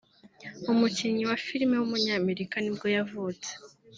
umukinnyi wa film w’umunyamerika ni bwo yavutse